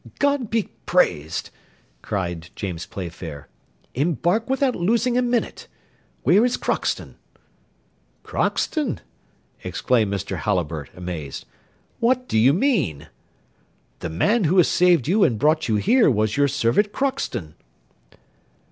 "God be praised!" cried James Playfair. "Embark without losing a minute. Where is Crockston?" "Crockston!" exclaimed Mr. Halliburtt, amazed. "What do you mean?" "The man who has saved you and brought you here was your servant Crockston."